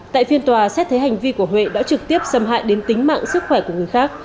tại phiên tòa xét thấy hành vi của huệ đã trực tiếp xâm hại đến tính mạng sức khỏe của người khác